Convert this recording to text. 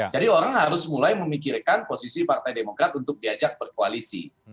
orang harus mulai memikirkan posisi partai demokrat untuk diajak berkoalisi